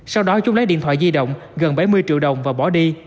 sau đó chúng lấy điện thoại di động gần bảy mươi triệu đồng và bỏ đi